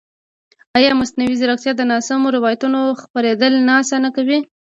ایا مصنوعي ځیرکتیا د ناسمو روایتونو خپرېدل نه اسانه کوي؟